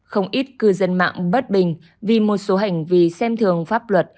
không ít cư dân mạng bất bình vì một số hành vi xem thường pháp luật